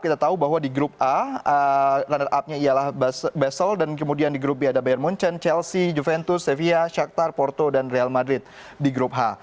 kita tahu bahwa di grup a runner upnya ialah basel dan kemudian di grup b ada bayern munchen chelsea juventus sevilla shakhtar porto dan real madrid di grup h